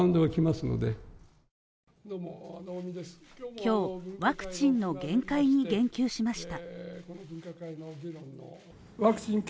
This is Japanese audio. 今日ワクチンの限界に言及しました。